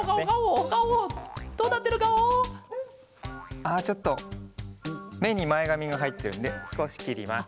あっちょっとめにまえがみがはいってるんですこしきります。